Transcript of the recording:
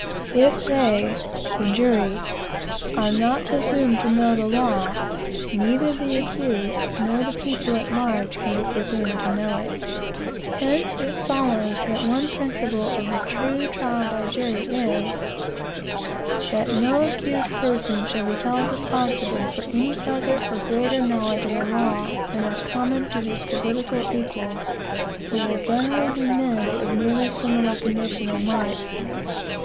If they (the jury) are not presumed to know the law, neither the accused nor the people at large can be presumed to know it. Hence, it follows that one principle of the truetrial by jury is, that no accused person shall be held responsible for any other or greater knowledge of the law than is common to his political equals, who will generally be men of nearly similar condition in life.